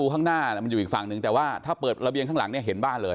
มันอยู่อีกฝั่งนึงแต่ว่าถ้าเปิดระเบียงข้างหลังเห็นบ้านเลย